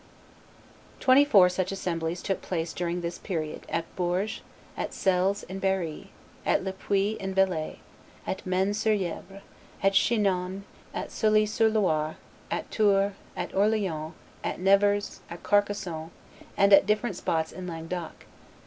Twenty four such assemblies took place during this period at Bourges, at Selles in Berry, at Le Puy in Velay, at Mean sur Yevre, at Chinon, at Sully sur Loire, at Tours, at Orleans, at Nevers, at Carcassonne, and at different spots in Languedoc.